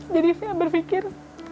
jadi saya berpikir